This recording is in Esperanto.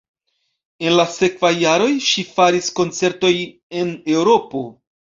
En la sekvaj jaroj ŝi faris koncertojn en Eŭropo.